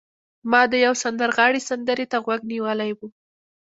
ما د یو سندرغاړي سندرې ته غوږ نیولی و